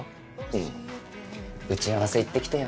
うん打ち合わせ行ってきてよ